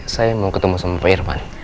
saya mau ketemu sama pak irman